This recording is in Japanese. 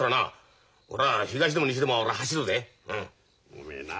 おめえな。